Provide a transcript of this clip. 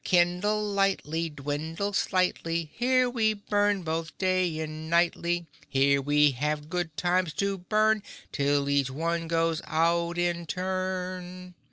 Kindle lightly—dwindle slightly, Here we burn both day and nightly, Here we have good times to burn Till each one goes out in turn."